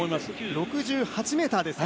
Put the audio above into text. ６８ｍですか？